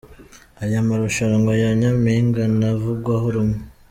Aya marushanwa ya Nyampinga ntavugwaho rumwe.